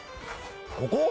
ここ？